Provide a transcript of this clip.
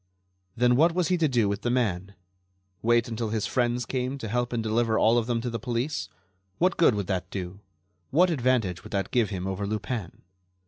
Then what was he to do with the man? Wait until his friends came to his help and deliver all of them to the police? What good would that do? What advantage would that give him over Lupin?